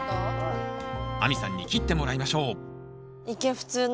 亜美さんに切ってもらいましょう一見普通の。